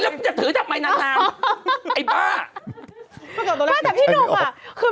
เป็นการกระตุ้นการไหลเวียนของเลือด